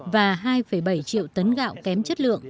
và hai bảy triệu tấn gạo kém chất lượng